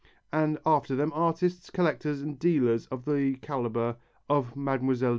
And after them artists, collectors and dealers of the calibre of Mlle.